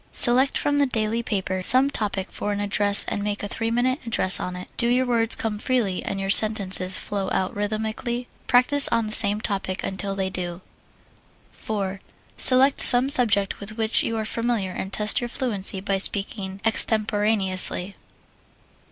Select from the daily paper some topic for an address and make a three minute address on it. Do your words come freely and your sentences flow out rhythmically? Practise on the same topic until they do. 4. Select some subject with which you are familiar and test your fluency by speaking extemporaneously.